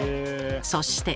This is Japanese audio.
そして。